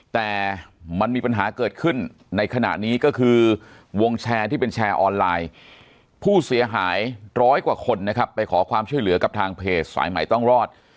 แต่มันมีปัญหาเกิดขึ้นในขณะนี้ก็คือวงแชร์ที่เป็นแชร์ออนไลน์ผู้เสียหายร้อยกว่าคนนะครับไปขอความช่วยเหลือกับทางเพจสายใหม่ต้องรอด